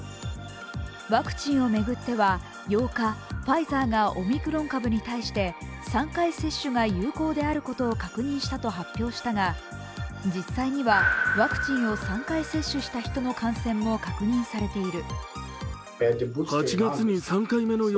ワクチンを巡っては８日、ファイザーがオミクロン株に対して３回接種が有効であることを確認したと発表したが、実際にはワクチンを３回接種した人の感染も発表されている。